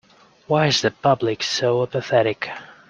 Why is the public so apathetic?